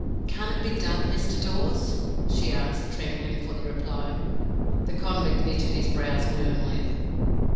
"Can't it be done, Mr. Dawes?" she asked, trembling for the reply. The convict knitted his brows gloomily.